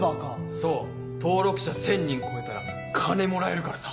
そう登録者１０００人超えたら金もらえるからさ。